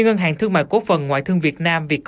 ngân hàng thương mại cổ phần ngoại thương việt nam